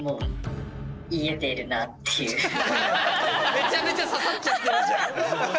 めちゃめちゃ刺さっちゃってるじゃん。